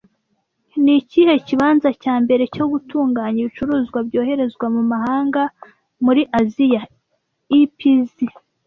Ni kihe kibanza cya mbere cyo gutunganya ibicuruzwa byoherezwa mu mahanga muri Aziya (EPZ)